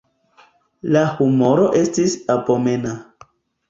La humoro estis abomena.